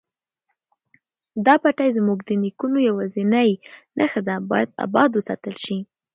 دا پټی زموږ د نیکونو یوازینۍ نښه ده چې باید اباد وساتل شي.